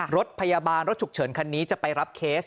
รถพยาบาลรถฉุกเฉินคันนี้จะไปรับเคส